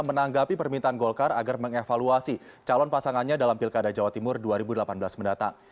menanggapi permintaan golkar agar mengevaluasi calon pasangannya dalam pilkada jawa timur dua ribu delapan belas mendatang